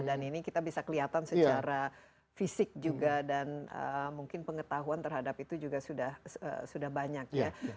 dan ini kita bisa kelihatan secara fisik juga dan mungkin pengetahuan terhadap itu juga sudah banyak ya